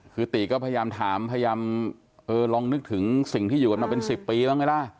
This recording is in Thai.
คือติก็พยายามถามพยายามเออลองนึกถึงสิ่งที่อยู่กันมาเป็น๑๐ปีบ้างไหมล่ะ